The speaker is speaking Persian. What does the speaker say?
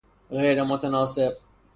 غیرمتناسب